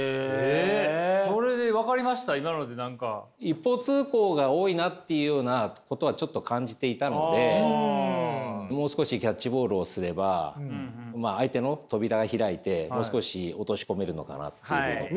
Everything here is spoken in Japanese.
一方通行が多いなというようなことはちょっと感じていたのでもう少しキャッチボールをすれば相手の扉が開いてもう少し落とし込めるのかなっていう。